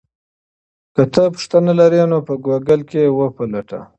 که ته پوښتنه لرې نو په ګوګل کې یې وپلټه.